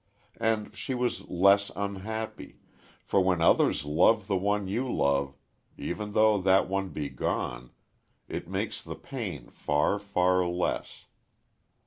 And she was less unhappy; for when others love the one you love, even though that one be gone, it makes the pain far, far less.